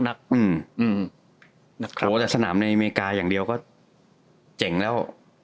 แล้วสนามอเมริกาอย่างเดียวก็เจ๋งแล้ว